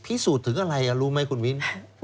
พิสูจน์ถึงอะไรรู้ไหมคุณวิน